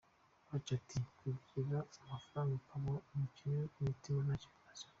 Uwacu ati “Kugira amafaranga ukaba umukene ku mutima ntacyo bimaze.